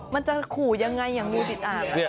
มันจะขู่ยังไงอย่างงูติดอ่าง